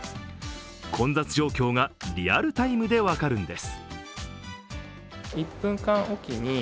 混雑状況がリアルタイムで分かるんです。